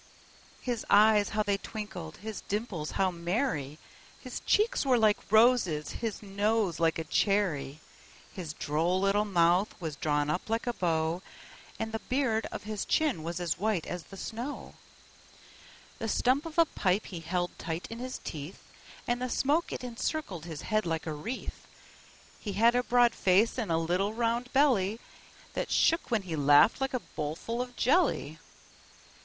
His eyes how they twinkled! his dimples how merry! His cheeks were like roses, his nose like a cherry! His droll little mouth was drawn up like a bow, And the beard of his chin was as white as the snow; The stump of a pipe he held tight in his teeth, And the smoke it encircled his head like a wreath; He had a broad face and a little round belly, That shook when he laughed, like a bowlful of jelly.